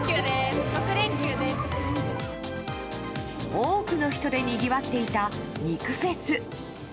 多くの人でにぎわっていた肉フェス。